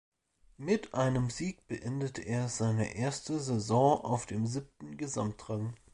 Mit einem Sieg beendete er seine erste Saison auf dem siebten Gesamtrang.